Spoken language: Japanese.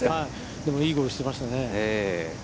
でも、いいゴルフをしていましたね。